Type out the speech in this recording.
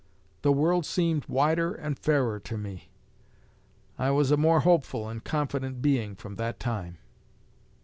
The world seemed wider and fairer to me. I was a more hopeful and confident being from that time."